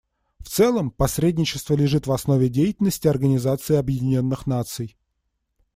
В целом, посредничество лежит в основе деятельности Организации Объединенных Наций.